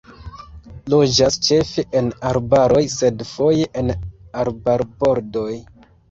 Loĝas ĉefe en arbaroj sed foje en arbarbordoj.